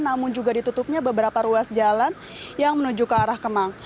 namun juga ditutupnya beberapa ruas jalan yang menuju ke arah kemang